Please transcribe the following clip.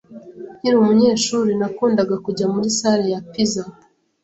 Nkiri umunyeshuri, nakundaga kujya muri salle ya pizza.